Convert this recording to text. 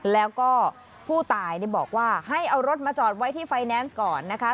แล้วก็ผู้ตายบอกว่าให้เอารถมาจอดไว้ที่ไฟแนนซ์ก่อนนะคะ